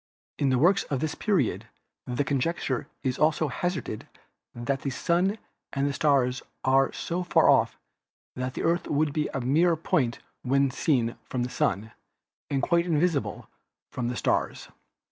In the works of this period the conjecture is also hazarded that the Sun and stars are so far off that the Earth would be a mere point when seen from the Sun and quite invisible from the stars.